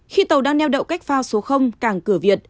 khi tàu đang neo đậu cách phao số cảng cửa việt